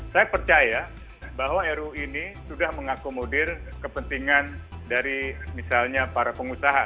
saya percaya bahwa ru ini sudah mengakomodir kepentingan dari misalnya para pengusaha